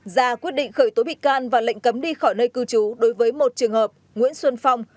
ra quyết định khởi tố bị can và lệnh cấm đi khỏi nơi cư trú đối với một trường hợp nguyễn xuân phong